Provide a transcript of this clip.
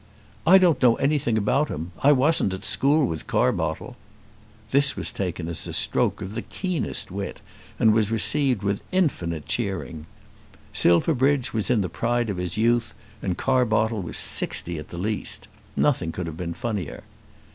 "I don't know anything about him. I wasn't at school with Carbottle." This was taken as a stroke of the keenest wit, and was received with infinite cheering. Silverbridge was in the pride of his youth, and Carbottle was sixty at the least. Nothing could have been funnier.